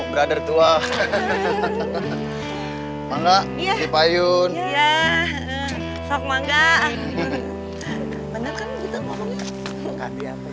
brother tua mangga ia dipayun ya sop mangga